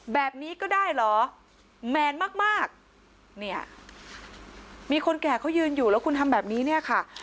แบบนี้ก็ได้เหรอแมนมากมากเนี่ยมีคนแก่เขายืนอยู่แล้วคุณทำแบบนี้เนี่ยค่ะ